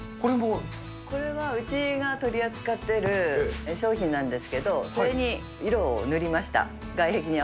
これはうちが取り扱っている商品なんですけど、それに色を塗りました。